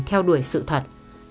theo đuổi sự thật